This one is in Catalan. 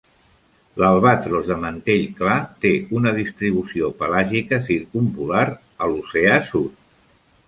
L'albatros de mantell clar té una distribució pelàgica circumpolar a l'oceà sud.